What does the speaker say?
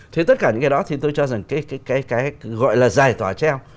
thế tất cả những cái đó thì tôi cho rằng cái gọi là giải tỏa treo